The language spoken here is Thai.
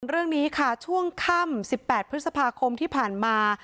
เรื่องนี้ค่ะช่วงค่ำ๑๘พฤษภาคมที่ผ่านมา